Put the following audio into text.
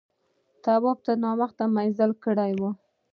تواب تر ناوخته مزل کړی و.